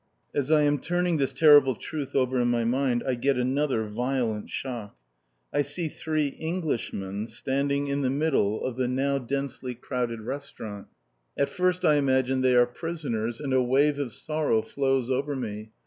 As I am turning this terrible truth over in my mind I get another violent shock. I see three Englishmen standing in the middle of the now densely crowded restaurant. At first I imagine they are prisoners, and a wave of sorrow flows over me.